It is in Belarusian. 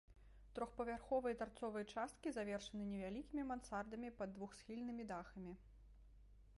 Трохпавярховыя тарцовыя часткі завершаны невялікімі мансардамі пад двухсхільнымі дахамі.